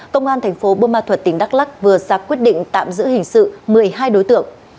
công an tp bơ ma thuật tỉnh đắk lắc vừa ra quyết định tạm giữ hình sự một mươi hai đối tượng